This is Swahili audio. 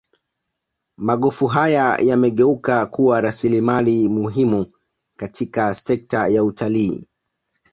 magofu haya yamegeuka kuwa rasilimali muhimu katika sekta ya utalii